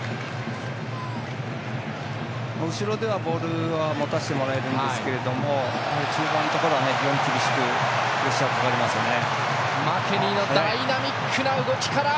後ろではボールを持たせてもらえるんですけれども中盤では厳しくプレッシャーがかかりますね。